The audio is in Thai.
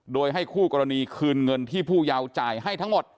โดยให้คู่กรณีคืนเงินที่ผู้เยาว์จ่ายให้ทั้งหมด